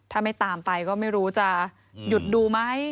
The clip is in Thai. ถ้าไม่ตามไปก็ไม่รู้จะหยุดดูไหม